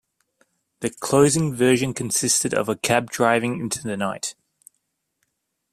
The closing version consisted of a cab driving into the night.